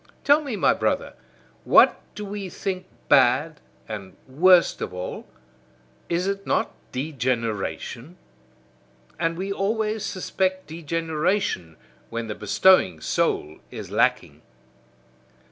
Tell me, my brother, what do we think bad, and worst of all? Is it not DEGENERATION? And we always suspect degeneration when the bestowing soul is lacking.